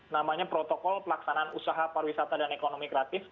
namanya protokol pelaksanaan usaha pariwisata dan ekonomi kreatif